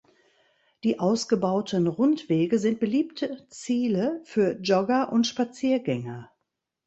Die ausgebauten Rundwege sind beliebte Ziele für Jogger und Spaziergänger.